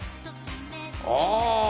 ああ。